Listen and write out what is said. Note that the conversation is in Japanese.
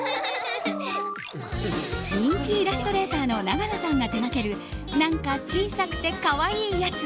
人気イラストレーターのナガノさんが手掛ける「なんか小さくてかわいいやつ」